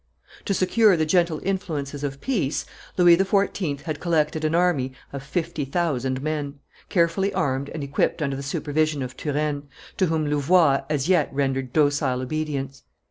To secure the gentle influences of peace, Louis XIV. had collected an army of fifty thousand men, carefully armed and equipped under the supervision of Turenne, to whom Louvois as yet rendered docile obedience.